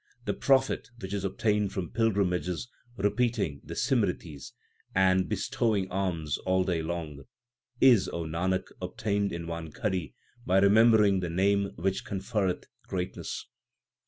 The profit which is obtained from pilgrimages, repeating the Simritis, 4 and bestowing alms all day long, Is, O Nanak, obtained in one ghari by remembering the Name which conferreth greatness.